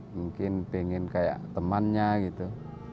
mungkin pengen kayak temannya gitu